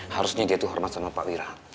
harusnya dia itu hormat sama pak wira